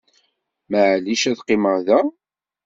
Maεlic ad qqimeɣ da?